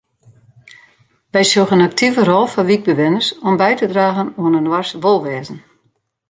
Wy sjogge in aktive rol foar wykbewenners om by te dragen oan inoars wolwêzen.